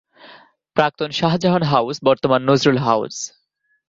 প্রাক্তন শাহজাহান হাউস, বর্তমান নজরুল হাউস।